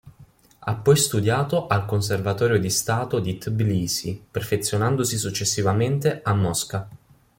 Ha poi studiato al Conservatorio di Stato di Tbilisi, perfezionandosi successivamente a Mosca.